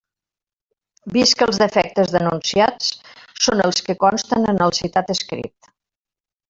Vist que els defectes denunciats són els que consten en el citat escrit.